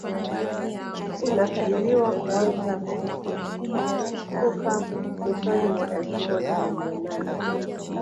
unakadiriwa kuanza kutukuka mwishoni mwa elfu moja na mia nane